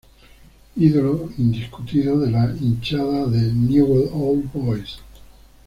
Ídolo indiscutido de la hinchada de Newell's Old Boys.